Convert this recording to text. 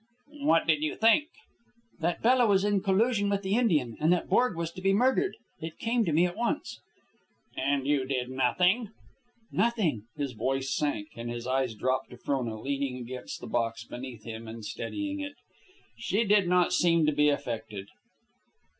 "What did you think?" "That Bella was in collusion with the Indian, and that Borg was to be murdered. It came to me at once." "And you did nothing?" "Nothing." His voice sank, and his eyes dropped to Frona, leaning against the box beneath him and steadying it. She did not seem to be affected.